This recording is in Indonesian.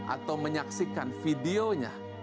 atau menyaksikan videonya